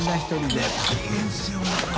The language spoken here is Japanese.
ねぇ大変ですよねこれ。